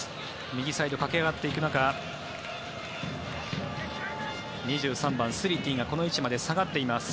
右サイド駆け上がっていく中２３番、スリティがこの位置まで下がっています。